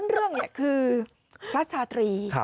เรื่องนี้คือพระชาตรี